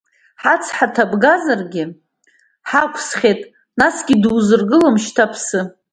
Ҳацҳа ҭабгахьазаргь, ҳақәсхьеит, насгьы дузыргылом шьҭа аԥсы.